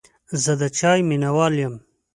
زه د چای مینهوال یم.